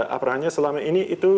apa hanya selama ini itu